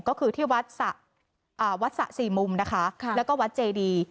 ก็คือที่วัดสะสี่มุมนะคะแล้วก็วัดเจดี